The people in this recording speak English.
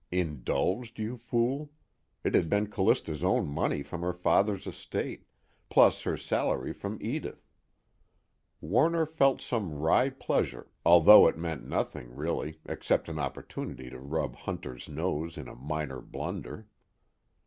Indulged, you fool? It had been Callista's own money from her father's estate, plus her salary from Edith. Warner felt some wry pleasure, although it meant nothing, really, except an opportunity to rub Hunter's nose in a minor blunder.